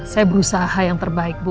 saya berusaha yang terbaik bu